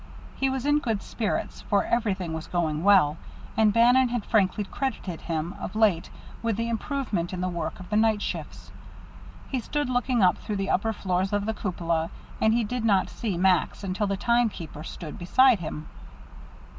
He was in good spirits, for everything was going well, and Bannon had frankly credited him, of late, with the improvement in the work of the night shifts. He stood looking up through the upper floors of the cupola, and he did not see Max until the timekeeper stood beside him.